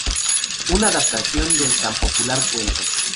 Un adaptación del tan popular cuento.